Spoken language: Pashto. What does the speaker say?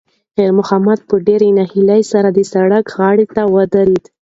خیر محمد په ډېرې ناهیلۍ سره د سړک غاړې ته ودرېد.